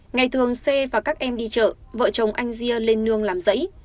ngày thường xe và các em đi chợ vợ chồng anh gia lên nương làm dẫy